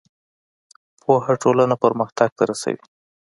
پوهه ټولنه پرمختګ ته رسوي.